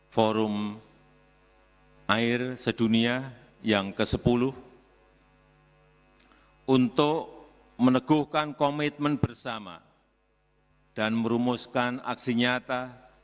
forum air sedunia yang ke sepuluh untuk meneguhkan komitmen bersama dan merumuskan aksi nyata